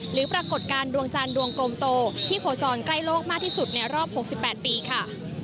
ปรากฏการณ์ดวงจันทร์ดวงกลมโตที่โคจรใกล้โลกมากที่สุดในรอบ๖๘ปีค่ะ